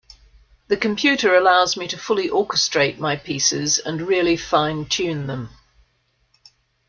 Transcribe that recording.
The computer allows me to fully orchestrate my pieces and really fine tune them.